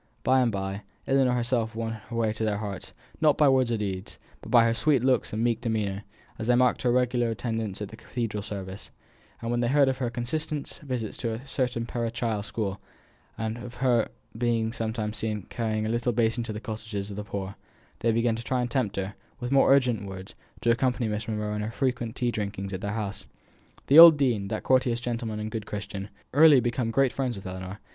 By and by, Ellinor herself won her way to their hearts, not by words or deeds, but by her sweet looks and meek demeanour, as they marked her regular attendance at cathedral service: and when they heard of her constant visits to a certain parochial school, and of her being sometimes seen carrying a little covered basin to the cottages of the poor, they began to try and tempt her, with more urgent words, to accompany Miss Monro in her frequent tea drinkings at their houses. The old dean, that courteous gentleman and good Christian, had early become great friends with Ellinor.